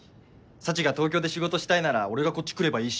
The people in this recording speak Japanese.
サチが東京で仕事したいなら俺がこっち来ればいいし。